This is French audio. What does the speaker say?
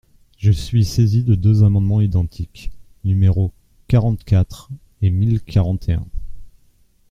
Je suis saisi de deux amendements identiques, numéros quarante-quatre et mille quarante et un.